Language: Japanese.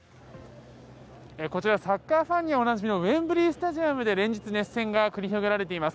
こちらサッカーファンにはおなじみのウェンブリー・スタジアムで連日熱戦が繰り広げられています。